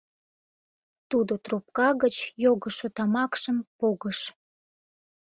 — Тудо трубка гыч йогышо тамакшым погыш.